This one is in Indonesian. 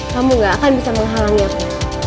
kamu gak akan bisa menghalangi aku